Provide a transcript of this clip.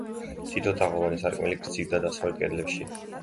თითო თაღოვანი სარკმელი გრძივ და დასავლეთ კედლებშია.